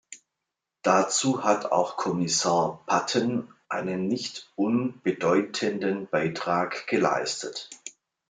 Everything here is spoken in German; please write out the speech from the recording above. Dazu hat auch Kommissar Patten einen nicht unbedeutenden Beitrag geleistet.